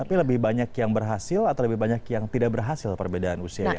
tapi lebih banyak yang berhasil atau lebih banyak yang tidak berhasil perbedaan usianya